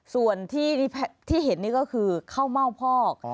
ส่วนที่เห็นนี่ก็คือข้าวเม่าพอก